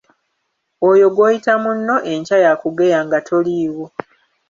Oyo gw’oyita munno enkya y’akugeya nga toliiwo.